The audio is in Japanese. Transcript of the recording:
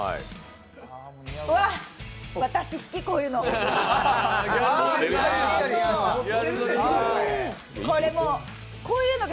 私、好き、こういうの。